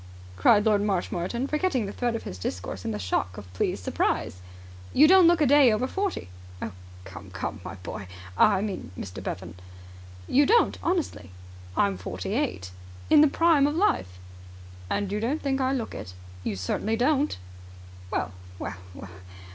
cried Lord Marshmoreton, forgetting the thread of his discourse in the shock of pleased surprise. "You don't look a day over forty." "Oh, come, come, my boy! ... I mean, Mr. Bevan." "You don't honestly." "I'm forty eight." "The Prime of Life." "And you don't think I look it?" "You certainly don't." "Well, well, well!